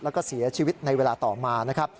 แล้วก็เสียชีวิตในเวลาต่อมา